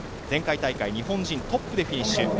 前回大会日本人トップでフィニッシュ。